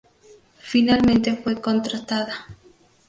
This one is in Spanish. Finalmente fue contratada.